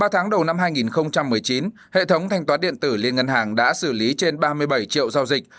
ba tháng đầu năm hai nghìn một mươi chín hệ thống thanh toán điện tử liên ngân hàng đã xử lý trên ba mươi bảy triệu giao dịch